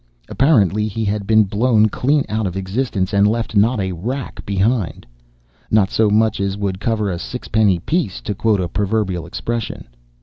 Apparently he had been blown clean out of existence and left not a wrack behind. Not so much as would cover a sixpenny piece, to quote a proverbial expression!